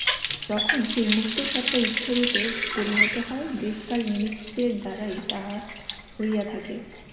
যখন সেই মুক্ত সত্তা ইচ্ছারূপে পরিণত হয়, দেশ-কাল-নিমিত্তের দ্বারাই তাহা হইয়া থাকে।